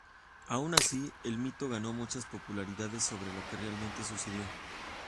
Aun así, el mito ganó mucha popularidad sobre lo que realmente sucedió.